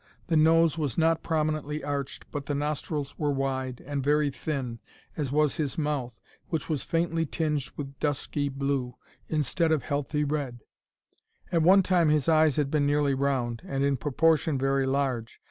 The nose was not prominently arched, but the nostrils were wide, and very thin, as was his mouth, which was faintly tinged with dusky blue, instead of healthy red. At one time his eyes had been nearly round, and, in proportion, very large.